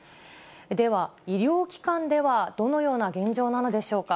では医療機関では、どのような現状なのでしょうか。